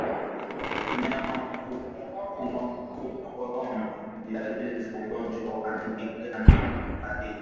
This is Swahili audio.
Mnyama kukoroma ni dalili za ugonjwa wa ndigana baridi